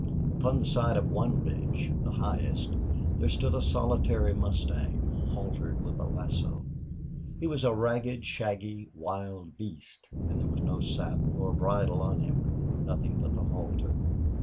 Upon the side of one ridge, the highest, there stood a solitary mustang, haltered with a lasso. He was a ragged, shaggy, wild beast, and there was no saddle or bridle on him, nothing but the halter.